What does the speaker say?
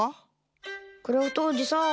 クラフトおじさん。